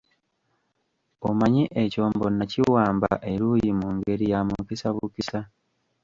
Omanyi ekyombo nakiwamba, eruuyi mu ngeri ya mukisa bukisa.